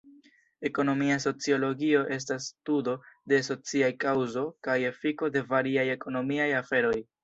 Ekonomia sociologio estas studo de sociaj kaŭzo kaj efiko de variaj ekonomiaj aferoj.